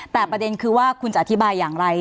แต่ประเด็นคือว่าคุณจะอธิบายอย่างไร